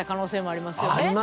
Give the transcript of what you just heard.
ありますよね。